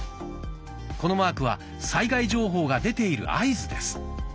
このマークは災害情報が出ている合図です。